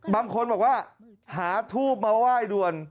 บางคนบอกว่าหาทูบมาไหว้ด่วน